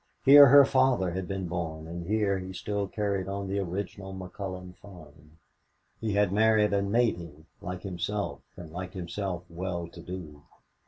Here her father had been born and here he still carried on the original McCullon farm. He had married a "native" like himself, and like himself well to do.